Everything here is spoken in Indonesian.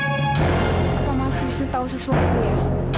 apa mas bisa tahu sesuatu ya